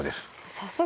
さすが！